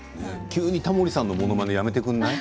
急にタモリさんのものまねやめてくんない？